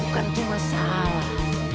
bukan cuma salah